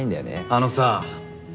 あのさあ！